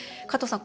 加藤さん